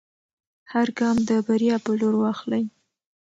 هر ګام د بریا په لور واخلئ.